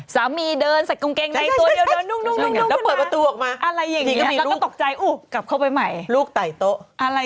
สามีเดินใส่กุ้งแกงใดตัวเดียวเดินดุ้งขึ้นมาดีกับนี่